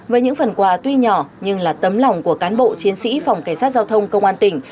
với những phần quà tuy nhỏ nhưng là tấm lòng của cán bộ chiến sĩ phòng cảnh sát giao thông công an tỉnh